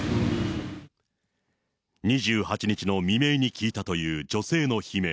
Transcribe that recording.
２８日の未明に聞いたという女性の悲鳴。